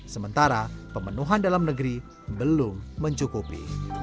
sementara pemenuhan dalam negeri belum mencukupi